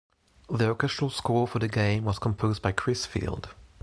The orchestral score for the game was composed by Chris Field.